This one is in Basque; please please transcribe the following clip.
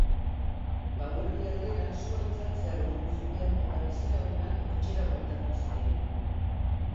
Gauerdi aldera, sua itzaltzea lortu zuten, eta bizilagunak etxera bueltatu ziren.